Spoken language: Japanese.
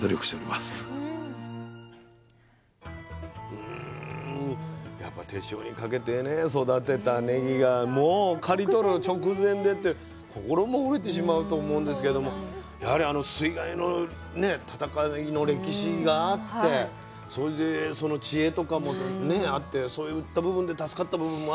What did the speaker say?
うんやっぱ手塩にかけてね育てたねぎがもう刈り取る直前でって心も折れてしまうと思うんですけれどもやはりあの水害のね闘いの歴史があってそれでその知恵とかもねあってそういった部分で助かった部分もあったっていうのがね